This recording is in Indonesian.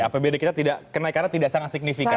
apbd kita kenaikannya tidak sangat signifikan